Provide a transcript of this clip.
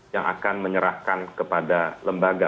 yang akan menyerahkan kepada lembaga